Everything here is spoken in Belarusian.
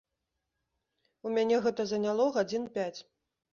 У мяне гэта заняло гадзін пяць.